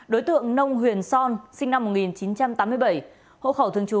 đối tượng nông huyền son sinh năm một nghìn chín trăm tám mươi bảy